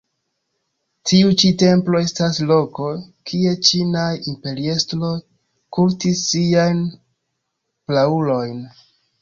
Tiu ĉi templo estas loko, kie ĉinaj imperiestroj kultis siajn praulojn.